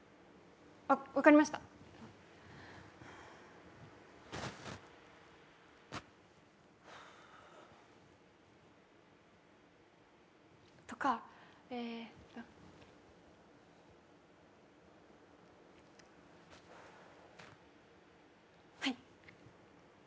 分かりました。とか、えーとはい！